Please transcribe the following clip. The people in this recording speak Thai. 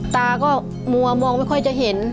ตาก็มัวมองไม่ค่อยจะเห็น